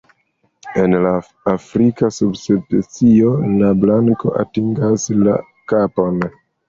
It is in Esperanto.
En la afrika subspecio la blanko atingas la kapon.